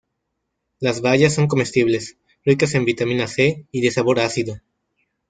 Las bayas son comestibles, ricas en vitamina C, y de sabor ácido.